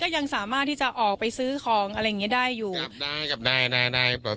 ยังสามารถที่จะออกไปซื้อของอะไรเงี้ยได้อยู่ได้เปล่า